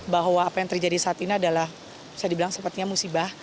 bahwa apa yang terjadi saat ini adalah sepatunya musibah